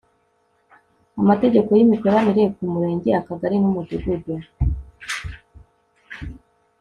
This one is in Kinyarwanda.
amategeko y'imikoranire k' umurenge, akagari n'umudugudu